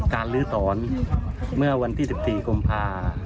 การลื้อถอนเมื่อวันที่สิบสี่กรมภาคม